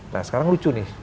nah sekarang lucu nih